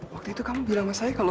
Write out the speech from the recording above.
waktu itu kamu bilang sama saya kalau